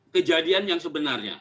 kejadian yang sebenarnya